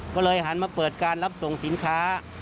ก็เลยหันมาเปิดการรับส่งสินค้า